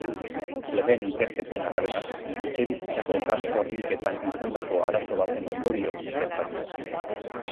Lehen ikerketen arabera, etxebizitzako gas-horniketan izandako arazo baten ondorioz gertatu da.